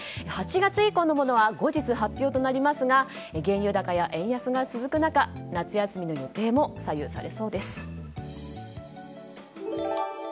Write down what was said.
８月以降のものは後日発表となりますが原油高や円安が続く中、夏休みの予定も左右されそうです。